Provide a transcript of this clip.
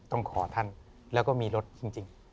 ต้องขอท่านแล้วก็มีรถจริง